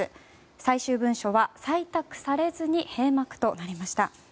最終文書は採択されずに閉幕となりました。